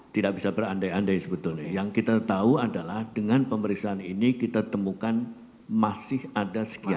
tidak bisa berandai andai sebetulnya yang kita tahu adalah dengan pemeriksaan ini kita temukan masih ada sekian